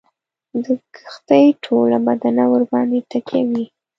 د کښتۍ ټوله بدنه ورباندي تکیه وي.